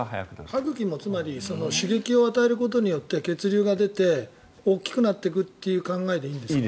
歯茎も刺激を与えることによって血流が出て大きくなっていくという考えていいですか。